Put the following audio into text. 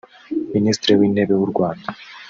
Ministre w’intebe w’u Rwanda